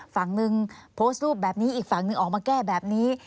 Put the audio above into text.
ฝั่งหนึ่งโพสต์รูปแบบนี้อีกฝั่งหนึ่งออกมาแก้แบบนี้